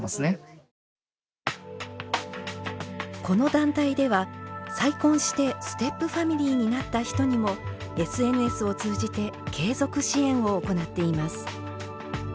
この団体では再婚してステップファミリーになった人にもＳＮＳを通じて継続支援を行っています。